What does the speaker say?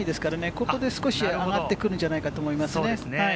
ここで少し上がってくるんじゃないかと思いますね。